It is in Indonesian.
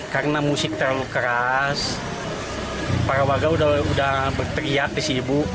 karena musik terlalu keras para warga sudah berteriak di cibu